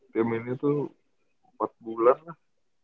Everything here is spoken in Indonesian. diam ini tuh empat bulan lah